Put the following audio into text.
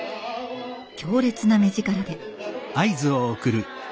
強烈な目力で。